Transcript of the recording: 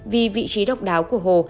vì vị trí độc đáo của hồ